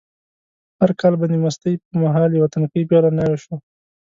هر کال به د مستۍ په مهال یوه تنکۍ پېغله ناوې شوه.